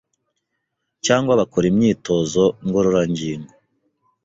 cyangwa bakora imyitozo ngororangingo